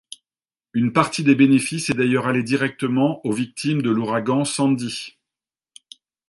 Une partie des bénéfices est d'ailleurs allée directement aux victimes de l'ouragan Sandy.